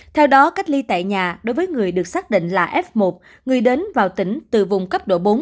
theo đó cách ly tại nhà đối với người được xác định là f một người đến vào tỉnh từ vùng cấp độ bốn